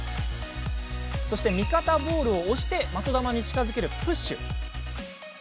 そして、味方ボールを押して的球に近づける、プッシュ。